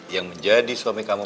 yang menjadi suami kamu